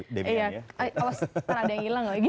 oh sekarang ada yang hilang lagi